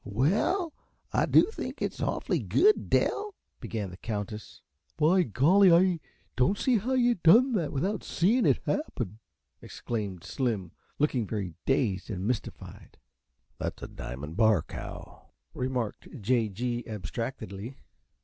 "Well, I do think it's awfully good, Dell," began the Countess. "By golly, I don't see how you done that without seein' it happen," exclaimed Slim, looking very dazed and mystified. "That's a Diamond Bar cow," remarked J. G., abstractedly.